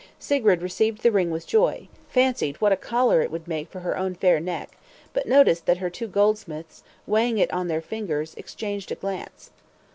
Sigrid received the ring with joy; fancied what a collar it would make for her own fair neck; but noticed that her two goldsmiths, weighing it on their fingers, exchanged a glance.